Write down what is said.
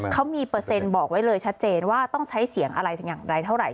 เขามีเปอร์เซ็นต์บอกไว้เลยชัดเจนว่าต้องใช้เสียงอะไรถึงอย่างไรเท่าไหร่